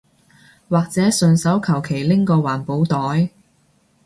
或者順手求其拎個環保袋